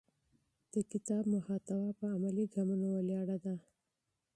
د کتاب محتوا په عملي ګامونو ولاړه ده.